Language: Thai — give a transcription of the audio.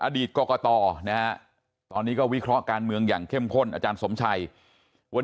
อดีตกรกตนะฮะตอนนี้ก็วิเคราะห์การเมืองอย่างเข้มข้นอาจารย์สมชัยวัน